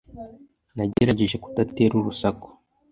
Nagerageje kudatera urusaku.